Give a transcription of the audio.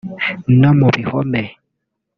no mu bihome